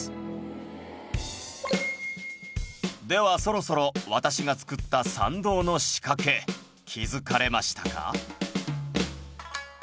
ではそろそろ私が作った参道の仕掛け気づかれましたか？